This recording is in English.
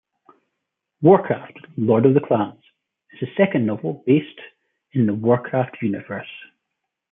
"Warcraft: Lord of the Clans" is the second novel based in the "Warcraft" universe.